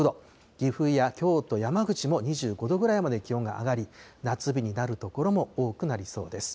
岐阜や京都、山口も２５度ぐらいまで気温が上がり、夏日になる所も多くなりそうです。